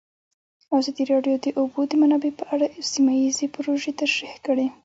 ازادي راډیو د د اوبو منابع په اړه سیمه ییزې پروژې تشریح کړې.